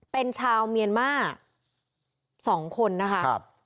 เป็นชาวเมียนมาร์๒คนนะคะ